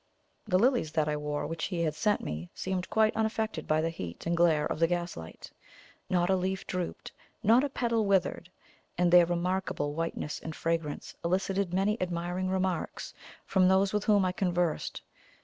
The lilies that I wore, which he had sent me, seemed quite unaffected by the heat and glare of the gaslight not a leaf drooped, not a petal withered; and their remarkable whiteness and fragrance elicited many admiring remarks from those with whom I conversed.